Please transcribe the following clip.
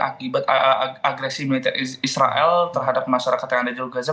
akibat agresi militer israel terhadap masyarakat yang ada di gaza